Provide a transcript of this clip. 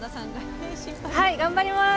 頑張ります！